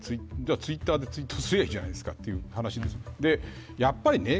ツイッターでツイートすればいいじゃないですかという話。